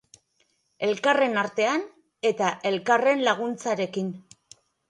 Elkarren artean eta elkarren laguntzarekin.